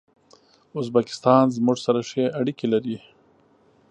ازبکستان زموږ سره ښې اړیکي لري.